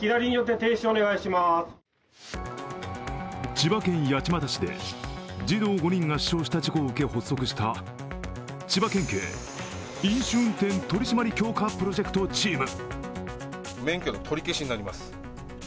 千葉県八街市で児童５人が死傷した事件を受け発足した千葉県警飲酒運転取り締まり強化プロジェクトチーム。